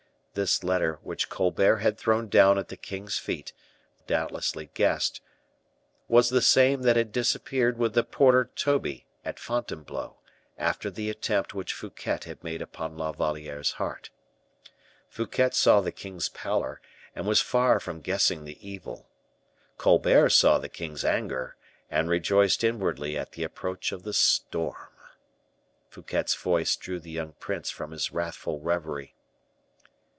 This letter which Colbert had thrown down at the king's feet, the reader has doubtlessly guessed, was the same that had disappeared with the porter Toby at Fontainebleau, after the attempt which Fouquet had made upon La Valliere's heart. Fouquet saw the king's pallor, and was far from guessing the evil; Colbert saw the king's anger, and rejoiced inwardly at the approach of the storm. Fouquet's voice drew the young prince from his wrathful reverie.